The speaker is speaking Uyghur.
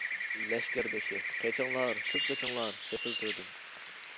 لەشكەر بېشى:-قېچىڭلار، تېز قېچىڭلار سېپىل تۈۋىدىن!